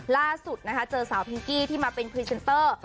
ล่าสุดนะคะเจอสาวพิงกี้ที่มาเป็นพรีเซนเตอร์